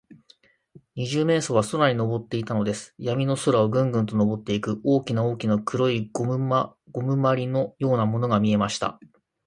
二十面相は空にのぼっていたのです。やみの空を、ぐんぐんとのぼっていく、大きな大きな黒いゴムまりのようなものが見えました。